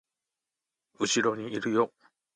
後ろにいるよ